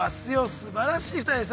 すばらしい２人です。